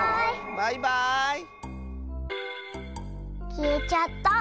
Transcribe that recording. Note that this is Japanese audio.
きえちゃった。